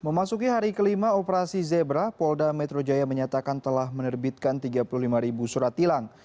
memasuki hari kelima operasi zebra polda metro jaya menyatakan telah menerbitkan tiga puluh lima surat tilang